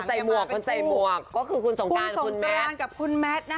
คุณใส่หมวกคุณใส่หมวกก็คือคุณสงการคุณแมทคุณสงการกับคุณแมทนะฮะ